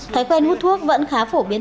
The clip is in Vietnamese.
thái quen hút thuốc vẫn khá phổ biến